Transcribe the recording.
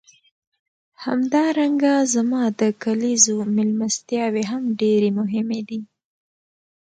همدارنګه زما د کلیزو میلمستیاوې هم ډېرې مهمې دي.